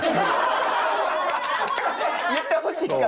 言ってほしいから。